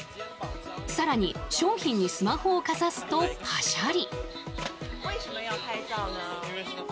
更に、商品にスマホをかざすとカシャリ。